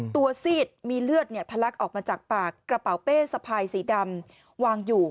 ซีดมีเลือดทะลักออกมาจากปากกระเป๋าเป้สะพายสีดำวางอยู่